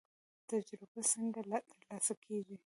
تجربه څنګه ترلاسه کیږي؟